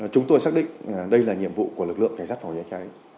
chúng tôi xác định đây là nhiệm vụ của lực lượng cảnh sát phòng cháy cháy